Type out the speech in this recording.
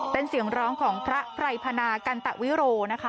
เป็นเสียงร้องของพระไพรพนากันตะวิโรนะคะ